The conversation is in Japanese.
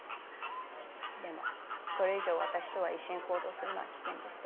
でもこれ以上私とは一緒に行動するのは危険だって。